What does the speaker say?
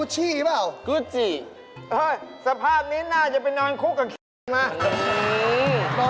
เสียคู่กับใคระ